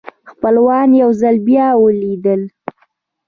خپلوان یو ځل بیا ولیدل.